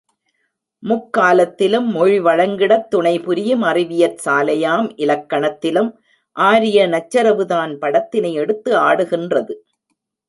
முக்காலத்திலும் மொழி வழங்கிடத் துணைபுரியும் அறிவியற்சாலையாம் இலக்கணத்திலும், ஆரிய நச்சரவுதான் படத்தினை எடுத்து ஆடுகின்றது.